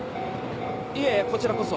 いえこちらこそ。